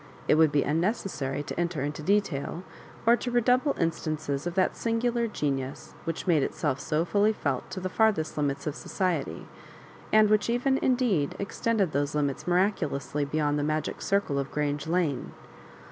It would be unnecessary to enter into detail, or to redouble instances of that sin gular genius which made itself so fully felt to the Sirthest limits, of society, and which even indeed extended those limits miraculously beyond the magic circle of Grange Lane.